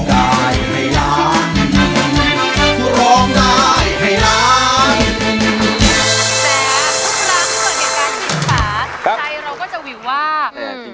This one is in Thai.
แต่ทุกครั้งที่เหมือนการกิจสารใครเราก็จะวิวว่า